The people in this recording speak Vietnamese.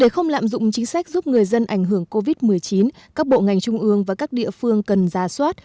để không lạm dụng chính sách giúp người dân ảnh hưởng covid một mươi chín các bộ ngành trung ương và các địa phương cần ra soát